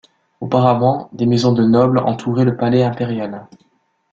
Auparavant, des maisons de nobles entouraient le palais impérial.